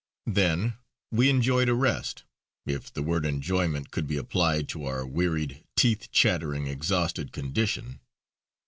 Then we enjoyed a rest, if the word "enjoyment" could be applied to our wearied, teeth chattering, exhausted condition.